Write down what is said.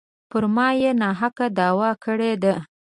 پر ما یې ناحقه دعوه کړې ده.